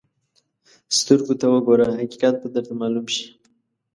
سترګو ته وګوره، حقیقت به درته معلوم شي.